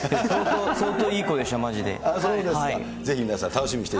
相当いい子でした、まじで。